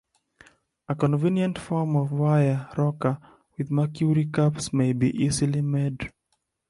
A convenient form of wire rocker with mercury cups may be easily made.